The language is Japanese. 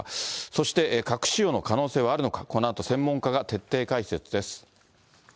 そして核使用の可能性はあるのか、このあと、専門家が徹底解説です。